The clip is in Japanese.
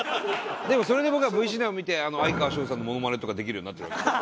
でもそれで僕はＶシネマ見て哀川翔さんのモノマネとかできるようになってるわけですから。